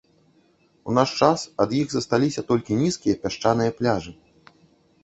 У наш час ад іх засталіся толькі нізкія пясчаныя пляжы.